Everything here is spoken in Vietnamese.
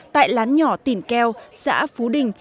tại lán nhỏ tỉnh keo xã phú đình